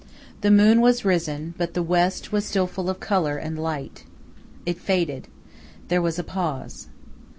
The moon was risen, but the west was still full of color and light. It faded. There was a pause.